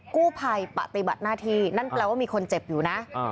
กู้ภัยปฏิบัติหน้าที่นั่นแปลว่ามีคนเจ็บอยู่นะ